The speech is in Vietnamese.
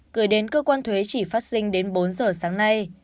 gửi đến cơ quan thuế chỉ phát sinh đến bốn giờ sáng nay